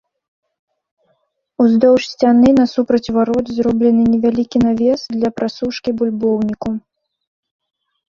Уздоўж сцяны насупраць варот зроблены невялікі навес для прасушкі бульбоўніку.